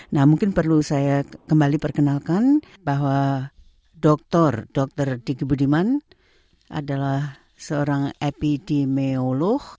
nah mungkin perlu saya kembali perkenalkan bahwa dokter dokter diki budiman adalah seorang epidemiolog